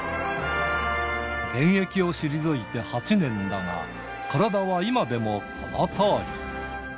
現役を退いて８年だが、体は今でもこのとおり。